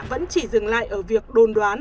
vẫn chỉ dừng lại ở việc đồn đoán